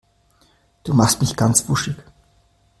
Du machst mich ganz wuschig.